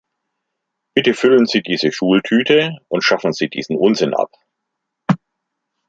Bitte füllen Sie diese Schultüte und schaffen Sie diesen Unsinn ab!